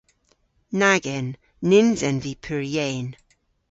Nag en. Nyns en vy pur yeyn.